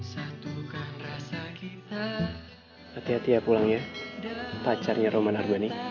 hati hati ya pulangnya pacarnya roman armani